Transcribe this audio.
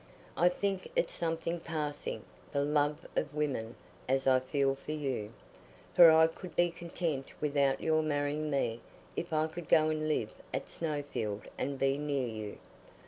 I think it's something passing the love of women as I feel for you, for I could be content without your marrying me if I could go and live at Snowfield and be near you.